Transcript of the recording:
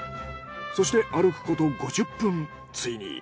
そして歩くこと５０分ついに。